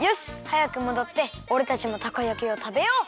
はやくもどっておれたちもたこ焼きをたべよう！